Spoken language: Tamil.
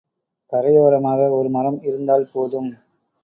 கரையோரமாக ஒரு மரம் இருந்தால் போதும்.